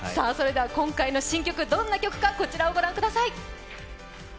今回の新曲、どんな曲かこちらをご覧ください。